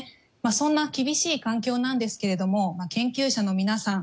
そんな厳しい環境なんですが研究者の皆さん